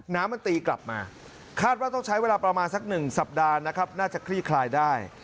น้ำมันตีกลับมาคาดว่าต้องใช้เวลาประมาณสักหนึ่งสัปดาห์นะครับน่าจะคลี่คลายได้